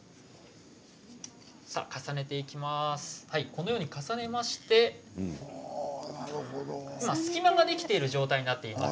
このように重ねまして隙間ができている状態になっています。